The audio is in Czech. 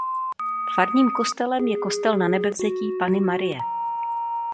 Farním kostelem je kostel Nanebevzetí Panny Marie.